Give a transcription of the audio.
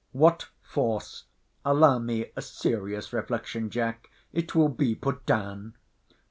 What force [allow me a serious reflection, Jack: it will be put down!